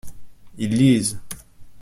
Ils lisent.